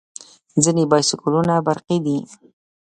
ځینې بایسکلونه برقي دي.